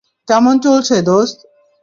কেমন চলছে, দোস্ত?